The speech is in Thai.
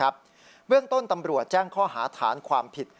เบื้องต้นตำรวจแจ้งข้อหาฐานความผิด